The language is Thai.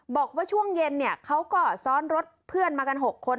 บอกว่าช่วงเย็นเนี่ยเขาก็ซ้อนรถเพื่อนมากัน๖คน